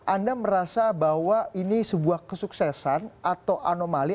anda merasa bahwa ini sebuah kesuksesan atau anomali